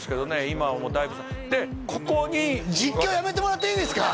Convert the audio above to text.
今はもうだいぶでここに実況やめてもらっていいですか？